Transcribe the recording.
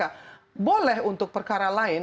ya boleh untuk perkara lain